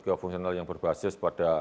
juga fungsional yang berbasis pada